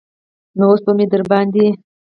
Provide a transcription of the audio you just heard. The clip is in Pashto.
نو اوس به مې درباندې.